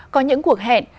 có những cuộc hẹn